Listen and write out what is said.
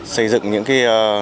xây dựng những cái